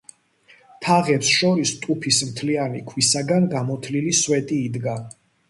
თაღებს შორის ტუფის მთლიანი ქვისაგან გამოთლილი სვეტი იდგა.